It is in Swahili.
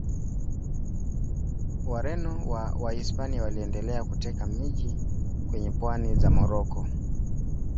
Wareno wa Wahispania waliendelea kuteka miji kwenye pwani za Moroko.